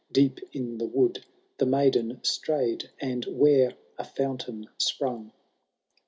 Deep in the wood the maiden BtrayM, And, where a fomitain spning.